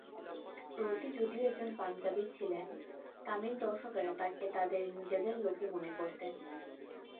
রতি যদিও একজন পাঞ্জাবী ছিলেন, তামিল দর্শকেরা তাকে তাদের নিজেদের লোকই মনে করত।